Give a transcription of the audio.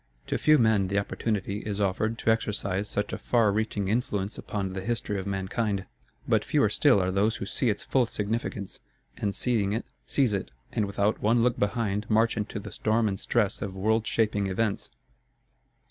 To few men the opportunity is offered to exercise such a far reaching influence upon the history of mankind; but fewer still are those who see its full significance, and seeing it, seize it, and without one look behind march into the storm and stress of world shaping events.